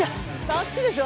あっちでしょ？